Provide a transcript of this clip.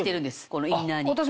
このインナーに。